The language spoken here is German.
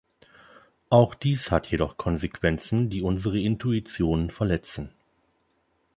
Auch dies hat jedoch Konsequenzen, die unsere Intuitionen verletzen.